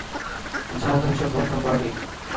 কুকুরছানার মতো নিচে ওকে অনুসরণ করবে?